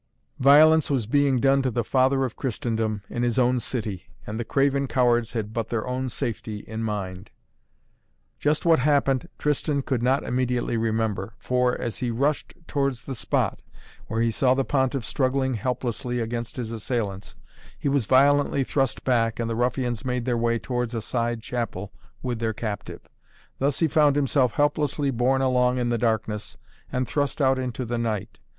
Violence was being done to the Father of Christendom in his own city, and the craven cowards had but their own safety in mind. Just what happened Tristan could not immediately remember. For, as he rushed towards the spot where he saw the Pontiff struggling helplessly against his assailants, he was violently thrust back and the ruffians made their way towards a side chapel with their captive. Thus he found himself helplessly borne along in the darkness, and thrust out into the night.